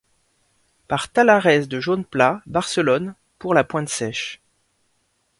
Par Talleres de Jaume Pla, Barcelone, pour la pointe sèche.